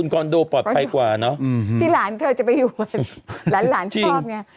คอนโดปลอดภัยกว่าเนอะที่หลานเธอจะไปอยู่หลานหลานชอบไง